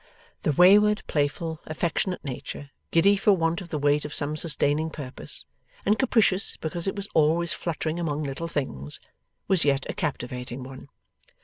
The wayward, playful, affectionate nature, giddy for want of the weight of some sustaining purpose, and capricious because it was always fluttering among little things, was yet a captivating one.